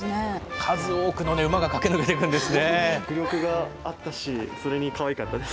数多くのね、馬が駆け抜けているんですね。